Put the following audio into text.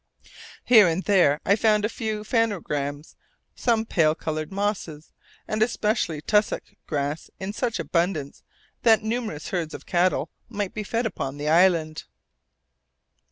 Here and there I found a few phanerogams, some pale coloured mosses, and especially tussock grass in such abundance that numerous herds of cattle might be fed upon the island.